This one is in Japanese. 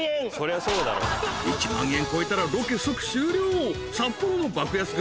［１万円超えたらロケ即終了］